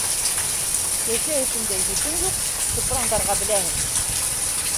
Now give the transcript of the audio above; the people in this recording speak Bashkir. Кәзә һөтөндәй һөтөң юҡ, сыпрандарға беләһең!